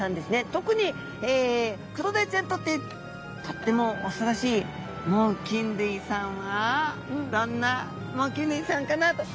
特にクロダイちゃんにとってとってもおそろしい猛禽類さんはどんな猛禽類さんかな。